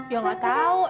ya gak tau